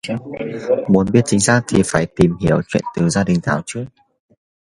Muốn biết chính xác thì phải tìm hiểu chuyện từ gia đình Thảo trước